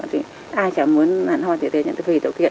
ai chả muốn hẳn hòa thì để nhận được vị tổ kiện